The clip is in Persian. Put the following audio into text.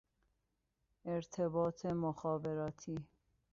ارتباط مخابراتی